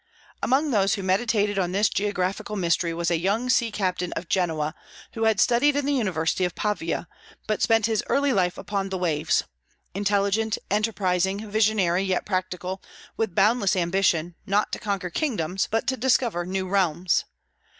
Among those who meditated on this geographical mystery was a young sea captain of Genoa, who had studied in the University of Pavia, but spent his early life upon the waves, intelligent, enterprising, visionary, yet practical, with boundless ambition, not to conquer kingdoms, but to discover new realms.